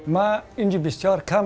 saya masih kecil